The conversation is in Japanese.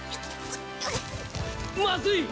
まずい！